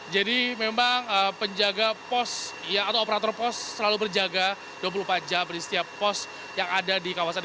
jadi memang penjaga pos atau operator pos selalu berjaga dua puluh empat jam di setiap pos yang ada di kawasan